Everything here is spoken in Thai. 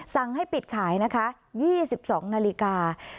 สั่งให้ปิดขายนะคะ๒๒นาฬิกา